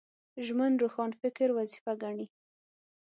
ژمن روښانفکر وظیفه ګڼي